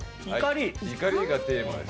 「怒り」がテーマです。